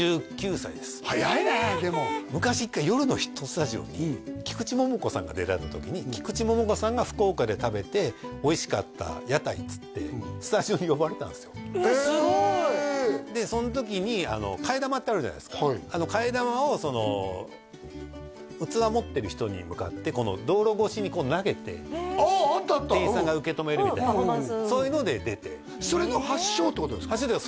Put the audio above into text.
早いねでも昔１回「夜のヒットスタジオ」に菊池桃子さんが出られた時にっつってスタジオに呼ばれたんですよえええっすごいでそん時に替え玉ってあるじゃないですか替え玉を器持ってる人に向かってこの道路越しに投げてあああったあった店員さんが受け止めるみたいなパフォーマンスそういうので出てそれの発祥ってことですか？